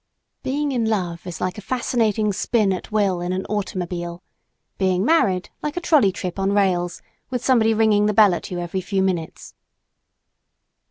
Being in love is like a fascinating spin at will in an automobile; being married, like a trolley trip on rails, with somebody ringing the bell at you every few minutes.